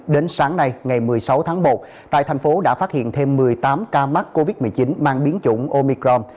đến sáng nay ngày một mươi sáu tháng một tại thành phố đã phát hiện thêm một mươi tám ca mắc covid một mươi chín mang biến chủng omicrom